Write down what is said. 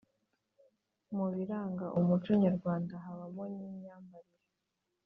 mu biranga umuco nyarwanda habamo n’imyambarire.